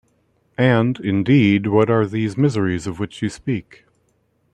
And, indeed, what are these miseries of which you speak?